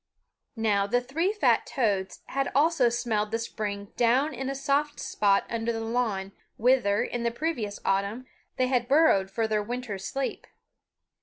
Now the three fat toads had also smelled the spring down in a soft spot under the lawn, whither, in the previous autumn, they had burrowed for their winter sleep.